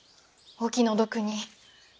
お気の毒に。